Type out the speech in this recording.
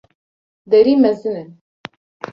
Derî mezin in